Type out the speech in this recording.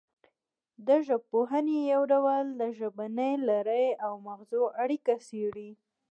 د ژبپوهنې یو ډول د ژبنۍ لړۍ او مغزو اړیکه څیړي